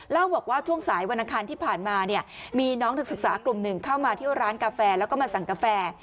เล่าบอกว่าช่วงสายวันอังคารที่ผ่านมาเนี่ยมีน้องนักศึกษากลุ่มหนึ่งเข้ามาเที่ยวร้านกาแฟแล้วก็มาสั่งกาแฟ